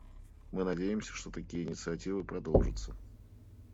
Мы надеемся, что такие инициативы продолжатся.